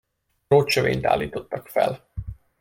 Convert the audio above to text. Drótsövényt állítottak fel.